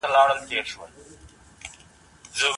افغانستان له نړیوالو تړونونو څخه په بشپړه توګه ګټه نه اخلي.